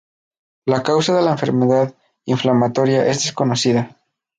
La causa de la enfermedad inflamatoria es desconocida.